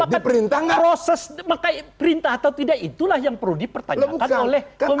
maka proses maka perintah atau tidak itulah yang perlu dipertanyakan oleh komisi tim